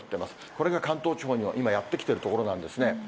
これが関東地方にも今、やって来てるところなんですね。